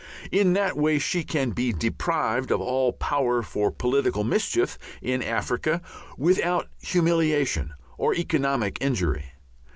In that way she can be deprived of all power for political mischief in Africa without humiliation or economic injury.